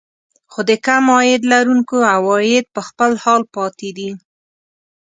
خو د کم عاید لرونکو عوايد په خپل حال پاتې دي